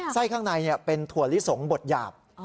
ข้างในเป็นถั่วลิสงบดหยาบ